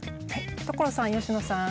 所さん佳乃さん。